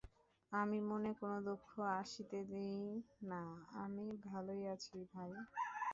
আমি মনে কোনো দুঃখ আসিতে দিই না, আমি ভালোই আছি ভাই!